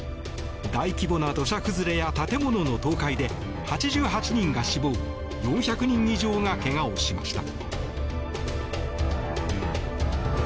大規模な土砂崩れや建物の倒壊で８８人が死亡４００人以上が怪我をしました。